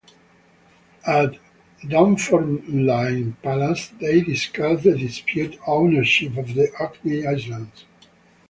At Dunfermline Palace they discussed the disputed ownership of the Orkney Islands.